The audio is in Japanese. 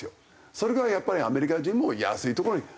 それがやっぱりアメリカ人も安いところに走ってしまう。